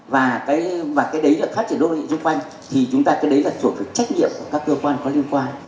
và cái đấy là phát triển đô thị xung quanh thì chúng ta cái đấy là thuộc về trách nhiệm của các cơ quan có liên quan